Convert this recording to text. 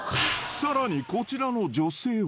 さらに、こちらの女性は。